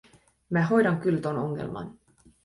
“Mä hoidan kyl ton ongelman.